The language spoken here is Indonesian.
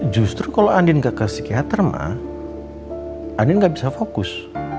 justru kalau anin nggak ke psikiater mak anin nggak bisa fokus